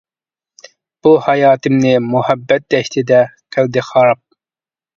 بۇ ھاياتىمنى مۇھەببەت دەشتىدە قىلدى خاراب.